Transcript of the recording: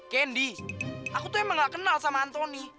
candy aku tuh emang gak kenal sama antoni